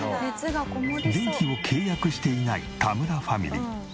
電気を契約していない田村ファミリー。